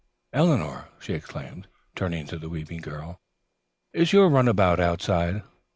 Eleanor," she exclaimed, turning to the weeping girl, "is your runabout outside?"